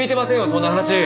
そんな話！